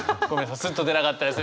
スッと出なかったですね。